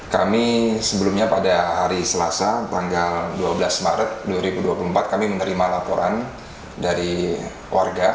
kami sebelumnya pada hari selasa tanggal dua belas maret dua ribu dua puluh empat kami menerima laporan dari warga